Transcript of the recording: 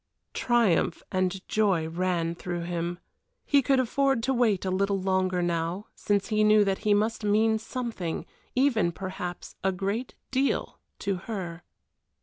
Triumph and joy ran through him. He could afford to wait a little longer now, since he knew that he must mean something, even perhaps a great deal, to her.